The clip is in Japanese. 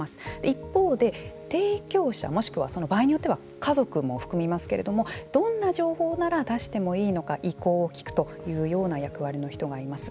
一方で提供者、もしくは場合によっては家族も含みますけれどもどんな情報なら出してもいいのか意向を聞くというような役割の人がいます。